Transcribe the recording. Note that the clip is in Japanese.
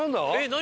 何？